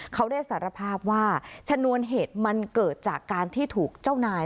เขาได้สารภาพว่าชนวนเหตุมันเกิดจากการที่ถูกเจ้านาย